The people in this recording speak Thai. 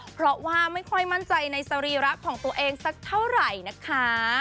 เพราะว่าไม่ค่อยมั่นใจในสรีระของตัวเองสักเท่าไหร่นะคะ